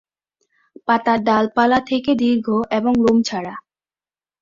পাতার ডালপালা থেকে পর্যন্ত দীর্ঘ এবং লোম ছাড়া।